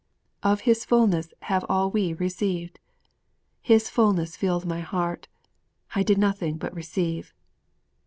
'Of His fullness have all we received!' 'His fullness filled my heart!' '_I did nothing but receive!